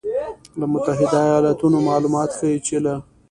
له متحدو ایالتونو مالومات ښیي چې له